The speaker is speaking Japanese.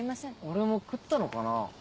俺も食ったのかなぁ？